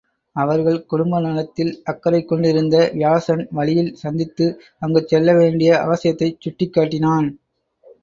அவர்கள் குடும்ப நலத்தில் அக்கரை கொண்டிருந்த வியாசன் வழியில் சந்தித்து அங்குச் செல்ல வேண்டிய அவசியத்தைச் சுட்டிக் காட்டினான்.